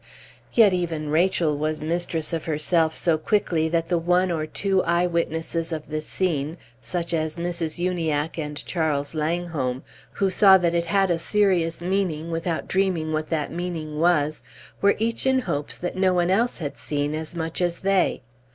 Yet even Rachel was mistress of herself so quickly that the one or two eye witnesses of this scene, such as Mrs. Uniacke and Charles Langholm, who saw that it had a serious meaning, without dreaming what that meaning was, were each in hopes that no one else had seen as much as they.